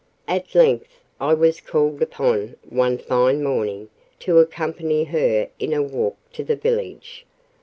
At length I was called upon, one fine morning, to accompany her in a walk to the village.